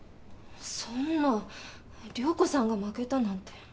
そんな涼子さんが負けたなんて。